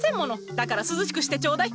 だから涼しくしてちょうだい！